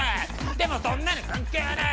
でもそんなの関係ねえ！